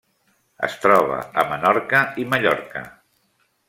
Es troba a Menorca i Mallorca.